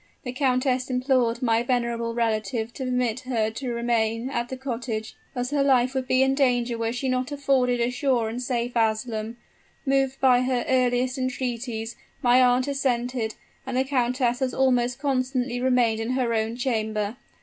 The countess implored my venerable relative to permit her to retrain at the cottage, as her life would be in danger were she not afforded a sure and safe asylum. Moved by her earnest entreaties, my aunt assented; and the countess has almost constantly remained in her own chamber.